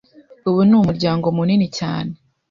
ubu ni umuryango munini cyane.”